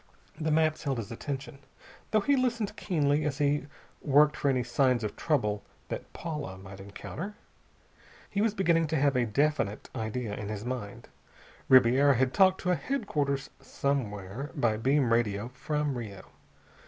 The maps held his attention, though he listened keenly as he worked for any signs of trouble that Paula might encounter. He was beginning to have a definite idea in his mind. Ribiera had talked to a headquarters somewhere, by beam radio from Rio.